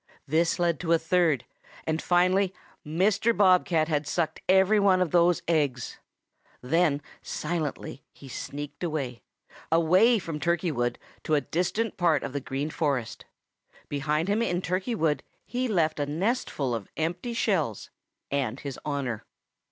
This led to a third, and finally Mr. Bob cat had sucked every one of those eggs. Then silently he sneaked away away from Turkey Wood to a distant part of the Green Forest. Behind him in Turkey Wood he left a nestful of empty shells and his honor.